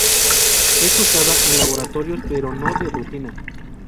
Es usada en laboratorios, pero no de rutina.